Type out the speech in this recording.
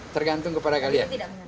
tergantung kepada kalian